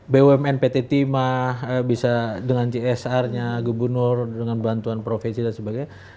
bumn pt timah bisa dengan csr nya gubernur dengan bantuan profesi dan sebagainya